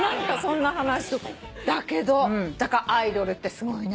だからアイドルってすごいな。